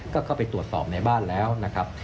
ก็เข้าไปตรวจสอบในบ้านแล้วนะครับ